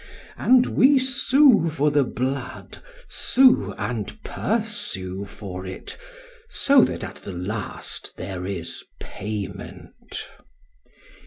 "And we sue for the blood, sue and pursue for it, so that at the last there is payment.